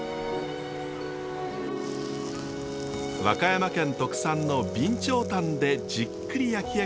和歌山県特産の備長炭でじっくり焼き上げた村田さん